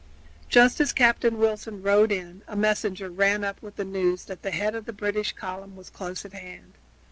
Just as Captain Wilson rode in a messenger ran up with the news that the head of the British column was close at hand.